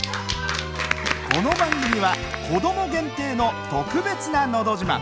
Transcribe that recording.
この番組はこども限定の特別な「のど自慢」。